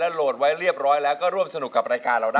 โหลดไว้เรียบร้อยแล้วก็ร่วมสนุกกับรายการเราได้